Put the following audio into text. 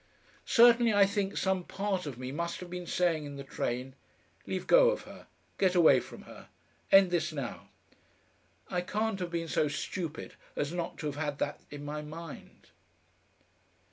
Certainly I think some part of me must have been saying in the train: "Leave go of her. Get away from her. End this now." I can't have been so stupid as not to have had that in my mind....